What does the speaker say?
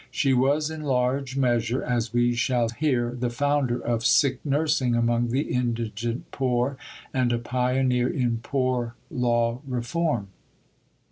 She was in large measure, as we shall hear, the founder of Sick Nursing among the Indigent Poor, and a pioneer in Poor Law Reform.